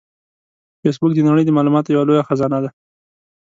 فېسبوک د نړۍ د معلوماتو یوه لویه خزانه ده